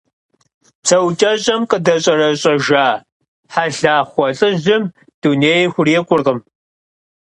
ПсэукӀэщӀэм къыдэщӀэрэщӀэжа Хьэлахъуэ лӀыжьым дунейр хурикъуркъым.